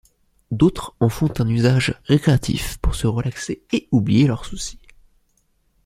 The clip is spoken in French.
D'autres en font un usage récréatif pour se relaxer et oublier leurs soucis.